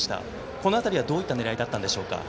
この辺りはどういった狙いだったんでしょうか？